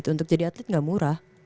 untuk jadi atlet nggak murah